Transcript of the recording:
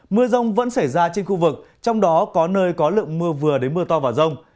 mưa rong vẫn xảy ra trên khu vực trong đó có nơi có lượng mưa vừa đến mưa to vào rong